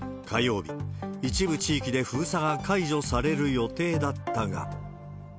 火曜日、一部地域で封鎖が解除される予定だったが。